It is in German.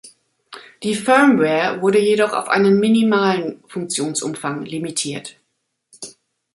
Die Firmware wurde jedoch auf einen minimalen Funktionsumfang limitiert.